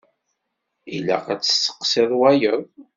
Ilaq ad testeqsiḍ wayeḍ.